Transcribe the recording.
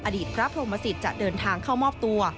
อดีตพระพรหมสิตจะเดินทางเข้ามอบตัว